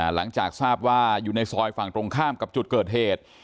หลังจากทราบว่าอยู่ในซอยฝั่งตรงข้ามกับจุดเกิดเหตุ